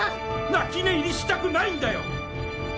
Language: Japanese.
泣き寝入りしたくないんだよ！